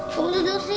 kamu duduk disini